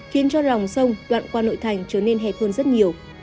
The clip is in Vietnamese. khiến cho lòng sông đoạn qua nội thành trở nên hẹp hơn rất nhiều